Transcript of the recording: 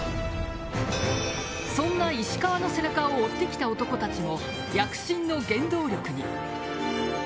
そんな石川の背中を追ってきた男たちも躍進の原動力に。